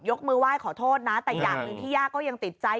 มือไหว้ขอโทษนะแต่อย่างหนึ่งที่ย่าก็ยังติดใจ